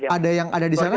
ada yang ada di sana